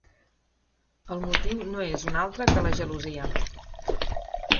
El motiu no és un altre que la gelosia.